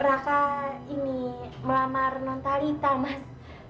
raka ini melamar non talita mas